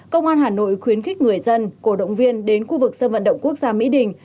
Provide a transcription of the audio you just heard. công an hà nội khuyến khích người dân cổ động viên đến khu vực sân vận động quốc gia mỹ đình